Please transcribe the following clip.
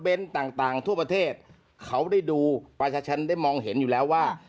ต่างต่างทั่วประเทศเขาได้ดูประชาชนได้มองเห็นอยู่แล้วว่า